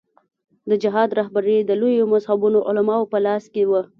د جهاد رهبري د لویو مذهبي علماوو په لاس کې وه.